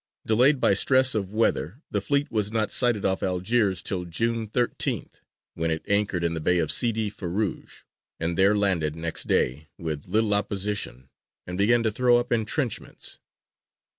Delayed by stress of weather, the fleet was not sighted off Algiers till June 13th, when it anchored in the Bay of Sidi Ferrūj, and there landed next day, with little opposition, and began to throw up entrenchments.